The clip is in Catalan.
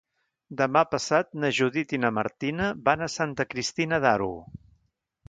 Demà passat na Judit i na Martina van a Santa Cristina d'Aro.